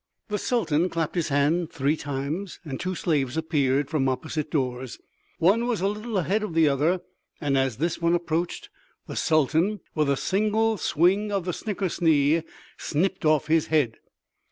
The Sultan clapped his hands three times: two slaves appeared from opposite doors. One was a little ahead of the other, and as this one approached, the Sultan with a single swing of the snickersnee snipped off his head.